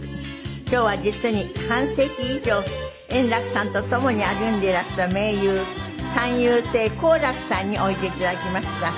今日は実に半世紀以上円楽さんと共に歩んでいらした盟友三遊亭好楽さんにおいで頂きました。